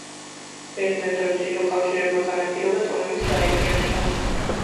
ბერძნებთან მჭიდრო კავშირებმა განაპირობა ტომების გაერთიანება.